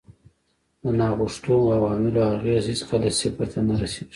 د ناغوښتو عواملو اغېز هېڅکله صفر ته نه رسیږي.